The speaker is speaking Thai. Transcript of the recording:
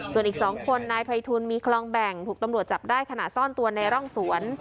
ส่วนอีก๒คนนายภัยทูลมีคลองแบ่งถูกตำรวจจับได้ขณะซ่อนตัวในร่องสวน